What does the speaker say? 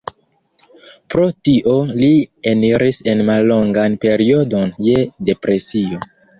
Pro tio li eniris en mallongan periodon je depresio.